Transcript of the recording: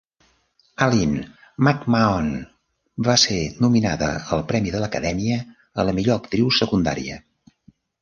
Aline MacMahon va ser nominada al premi de l'Acadèmia a la millor actriu secundària.